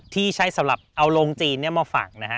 ที่ใช้สำหรับเอาโรงจีนมาฝังนะฮะ